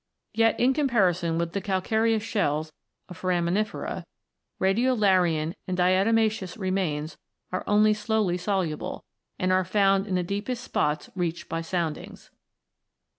Yet, in comparison with the calcareous shells of foramini fera, radiolarian and diatomaceous remains are only slowly soluble, and are found in the deepest spots reached by soundings.